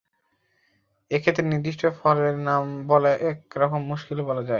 এক্ষেত্রে নির্দিষ্ট ফলের নাম বলা এক রকম মুশকিল বলা যায়।